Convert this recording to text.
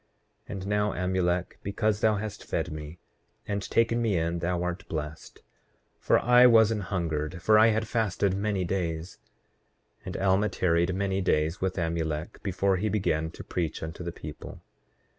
8:26 And now, Amulek, because thou hast fed me and taken me in, thou art blessed; for I was an hungered, for I had fasted many days. 8:27 And Alma tarried many days with Amulek before he began to preach unto the people.